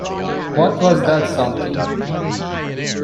What was that something?